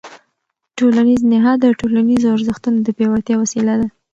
ټولنیز نهاد د ټولنیزو ارزښتونو د پیاوړتیا وسیله ده.